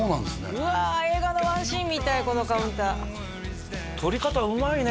うわ映画のワンシーンみたいこのカウンター撮り方うまいね